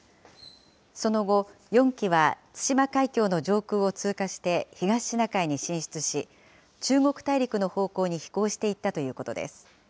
その後、４機は対馬海峡の上空を通過して、東シナ海に進出し、中国大陸の方向に飛行していったということです。